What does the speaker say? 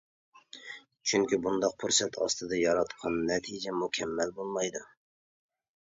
چۈنكى، بۇنداق پۇرسەت ئاستىدا ياراتقان نەتىجە مۇكەممەل بولمايدۇ.